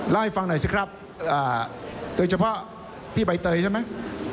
เล่าให้ฟังหน่อยสิครับโดยเฉพาะพี่ใบเตยใช่ไหม